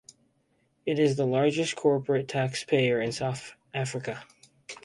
It is the largest corporate taxpayer in South Africa.